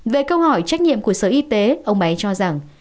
về câu hỏi trách nhiệm của sở y tế ông ấy cho rằng